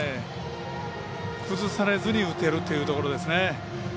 崩されずに打てるというところですね。